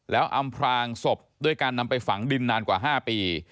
แล้วอำพลางศพด้วยการนำไปฝังดินนานกว่า๕ปี